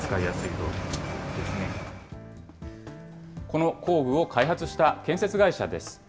この工具を開発した建設会社です。